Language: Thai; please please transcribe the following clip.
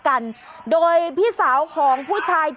คุณผู้ชมไปดูอีกหนึ่งเรื่องนะคะครับ